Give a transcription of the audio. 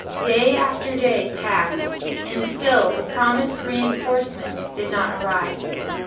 Day after day passed and still the promised re enforcements did not arrive.